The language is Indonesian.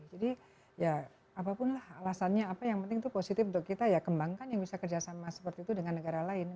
jadi ya apapun lah alasannya apa yang penting itu positif untuk kita ya kembangkan yang bisa kerjasama seperti itu dengan negara lain